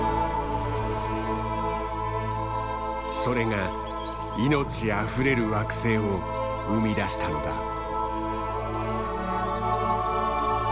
それが命あふれる惑星を生み出したのだ。